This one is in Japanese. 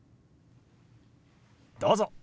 どうぞ。